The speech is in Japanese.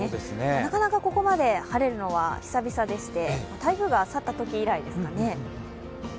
なかなかここまで晴れるのは久々でして台風が去ったとき以来ですかね。